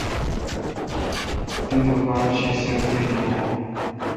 تی دکان شی سبری این اں۔